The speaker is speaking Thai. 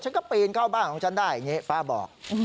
ฉันก็ปีนเข้าบ้านของฉันได้อย่างนี้ป้าบอก